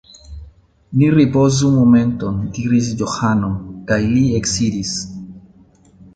Ni ripozu momenton, diris Johano, kaj li eksidis.